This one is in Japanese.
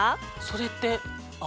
それって。